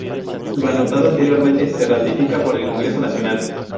Lo anotado anteriormente se ratifica por el Congreso Nacional.